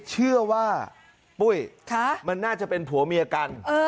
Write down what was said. เชื่อว่าปุ้ยมันน่าจะเป็นผัวเมียกัน